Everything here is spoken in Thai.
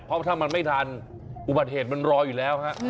เพราะถ้ามันไม่ทันอุบัติเหตุมันรออยู่แล้วฮะ